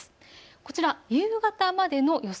こちら夕方までの予想